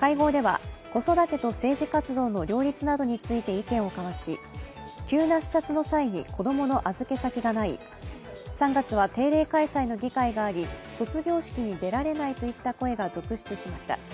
会合では子育てと政治活動の両立などについて意見を交わし急な視察の際に子供の預け先がない、３月は定例開催の議会があり、卒業式に出られないといった声が続出しました。